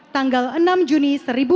tanggal enam juni seribu sembilan ratus satu